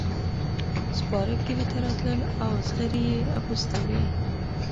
سپاره کلي ته راغلل او زغرې یې اغوستې وې.